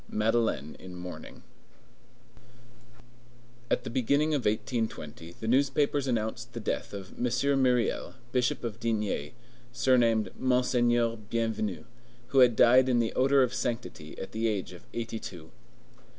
MADELEINE IN MOURNING At the beginning of 1820 the newspapers announced the death of M. Myriel, Bishop of D——, surnamed "Monseigneur Bienvenu," who had died in the odor of sanctity at the age of eighty two.